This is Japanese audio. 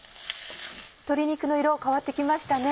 鶏肉の色変わって来ましたね。